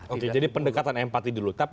oke jadi pendekatan empati dulu tapi